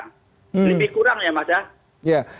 lebih kurang ya mas